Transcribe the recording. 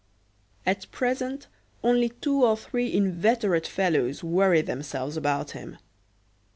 At present, only two or three inveterate fellows worry themselves about him.